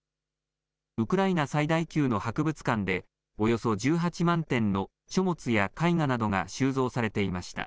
ウクライナ最大級の博物館でおよそ１８万点の書物や絵画などが収蔵されていました。